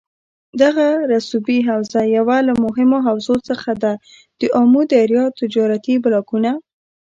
دغه رسوبي حوزه یوه له مهمو حوزو څخه ده دآمو دریا تجارتي بلاکونه